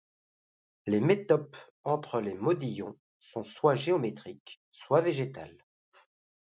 Les métopes entre les modillons sont soit géométriques, soit végétales.